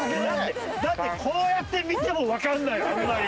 だってこうやって見てもわかんないよあんまり。